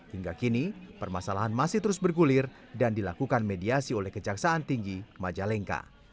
hingga kini permasalahan masih terus bergulir dan dilakukan mediasi oleh kejaksaan tinggi majalengka